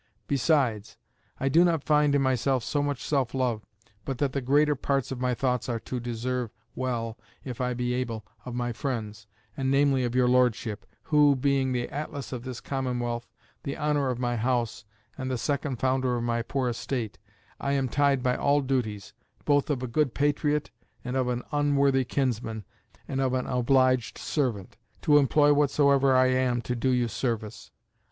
Besides, I do not find in myself so much self love, but that the greater parts of my thoughts are to deserve well (if I be able) of my friends, and namely of your Lordship; who, being the Atlas of this commonwealth, the honour of my house, and the second founder of my poor estate, I am tied by all duties, both of a good patriot, and of an unworthy kinsman, and of an obliged servant, to employ whatsoever I am to do you service.